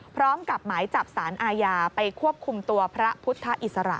พร้อมกับหมายจับสารอาญาไปควบคุมตัวพระพุทธอิสระ